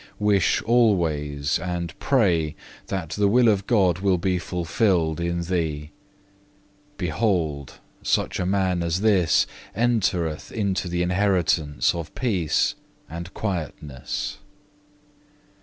Wish always and pray that the will of God be fulfilled in thee. Behold, such a man as this entereth into the inheritance of peace and quietness."